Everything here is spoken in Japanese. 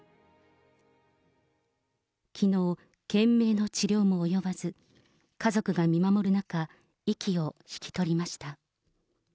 きのう、懸命の治療も及ばず、家族が見守る中、息を引き取りました。